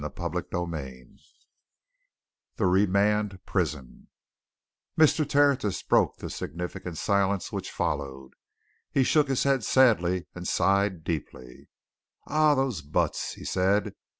But " CHAPTER XXVI THE REMAND PRISON Mr. Tertius broke the significant silence which followed. He shook his head sadly, and sighed deeply. "Ah, those buts!" he said.